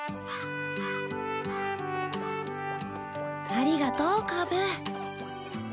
ありがとうカブ。